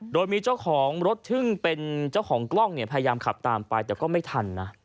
โดยมีเจ้าของรถซึ่งเป็นเจ้าของกล้องเนี่ยพยายามขับตามไปแต่ก็ไม่ทันนะ